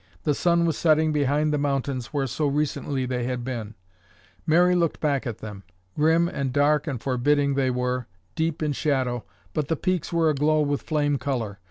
The sun was setting behind the mountains where so recently they had been. Mary looked back at them. Grim and dark and forbidding they were, deep in shadow, but the peaks were aglow with flame color.